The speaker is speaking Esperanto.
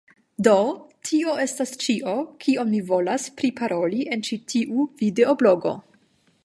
Do, tio estas ĉio, kion mi volas priparoli en ĉi tiu videoblogo.